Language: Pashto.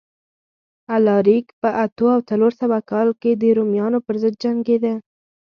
الاریک په اتو او څلور سوه کال کې د رومیانو پرضد جنګېده